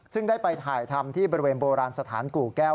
ซึ่งได้ไปถ่ายทำที่บริเวณโบราณสถานกู่แก้ว